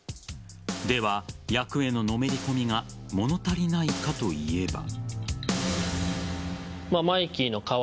では、役へののめり込みが物足りないかといえば。